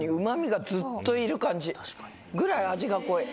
感じぐらい味が濃い。